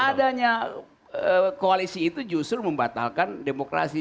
adanya koalisi itu justru membatalkan demokrasi